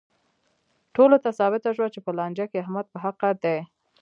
ټولو ته ثابته شوه چې په لانجه کې احمد په حقه دی.